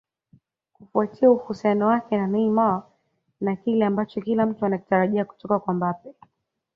Kufuatia uhusiano wake na Neymar na kile ambacho kila mtu anakitarajia kutoka kwa Mbappe